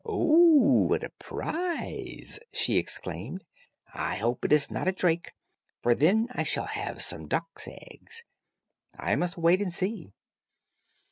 "Oh what a prize!" she exclaimed, "I hope it is not a drake, for then I shall have some duck's eggs. I must wait and see."